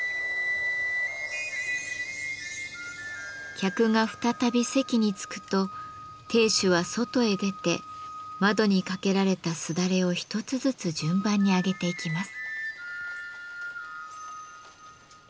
客が再び席に着くと亭主は外へ出て窓に掛けられたすだれを一つずつ順番に上げていきます。